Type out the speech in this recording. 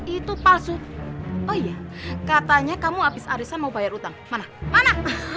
itu palsu oh iya katanya kamu habis arisan mau bayar utang mana mana